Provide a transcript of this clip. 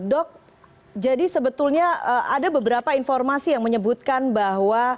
dok jadi sebetulnya ada beberapa informasi yang menyebutkan bahwa